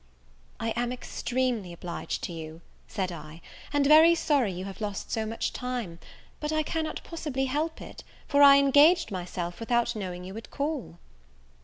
"I am extremely obliged to you," said I, "and very sorry you have lost so much time; but I cannot possibly help it, for I engaged myself without knowing you would call."